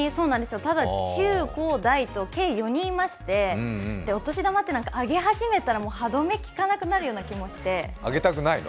ただ、中高大と計４人いまして、お年玉ってあげ始めたら歯止め効かなくなるような気がしてあげたくないの？